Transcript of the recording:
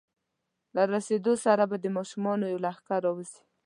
له رسېدو سره به د ماشومانو یو لښکر راوځي.